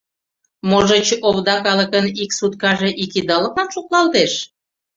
Можыч, овда калыкын ик суткаже ик идалыклан шотлалтеш?